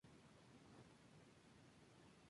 Actualmente sólo sobreviven sesenta y cinco.